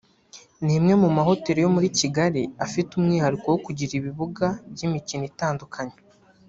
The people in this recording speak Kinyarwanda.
ni imwe mu mahoteli yo muri Kigali afite umwihariko wo kugira ibibuga by’imikino itandukanye